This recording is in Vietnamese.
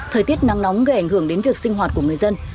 thời tiết nắng nóng gây ảnh hưởng đến việc sinh hoạt của người dân